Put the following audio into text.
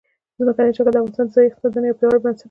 ځمکنی شکل د افغانستان د ځایي اقتصادونو یو پیاوړی بنسټ دی.